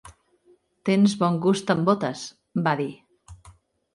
"Tens bon gust en botes", va dir.